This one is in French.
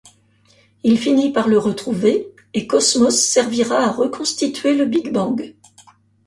Il finit par le retrouver et Cosmos servira à reconstituer le Big Bang.